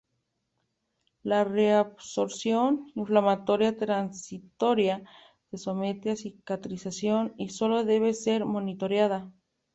La reabsorción inflamatoria transitoria se somete a cicatrización y solo debe ser monitoreada.